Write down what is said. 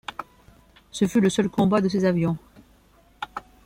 Ce fut le seul combat de ces avions.